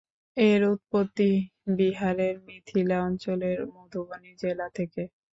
এর উৎপত্তি বিহারের মিথিলা অঞ্চলের মধুবনী জেলা থেকে।